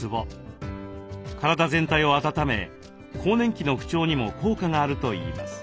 体全体を温め更年期の不調にも効果があるといいます。